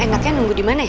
anaknya nunggu dimana ya